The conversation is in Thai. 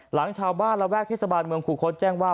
หลังชาวบ้านระแวกเทศบาลเมืองคูคศแจ้งว่า